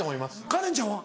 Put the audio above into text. カレンちゃんは？